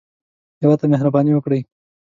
هېواد ته مهرباني وکړئ